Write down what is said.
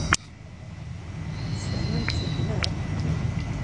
Tesfehmem-tt-id, naɣ?